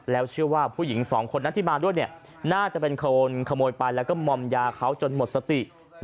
แล้วเชื่อว่าผู้หญิงสองคนนั้นที่มาด้วยน่าจะเป็นคนขโมยไปแล้วก็มอมยาเขาจนหมดสติ